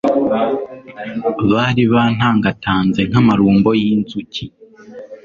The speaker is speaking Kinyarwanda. Bari bantangatanze nk’amarumbo y’inzuki